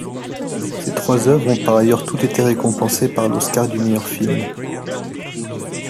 Ces trois œuvres ont par ailleurs toutes été récompensées par l'Oscar du meilleur film.